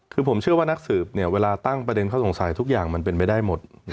คือผมเชื่อว่านักสืบเวลาตั้งประเด็นข้อสงสัยทุกอย่างมันเป็นไปได้หมด